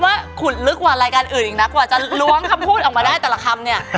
แต่ว่ายังไม่หมดนะ